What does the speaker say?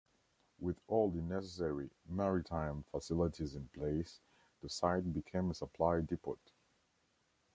With all the necessary maritime facilities in place, the site became a supply depot.